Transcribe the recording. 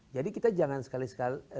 jadi kita jangan sekali sekali